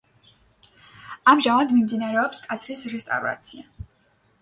ამჟამად მიმდინარეობს ტაძრის რესტავრაცია.